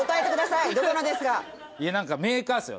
いや何かメーカーっすよ